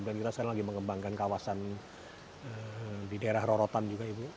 dan kita sekarang lagi mengembangkan kawasan di daerah rorotan juga ibu